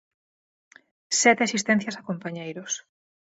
Sete asistencias a compañeiros.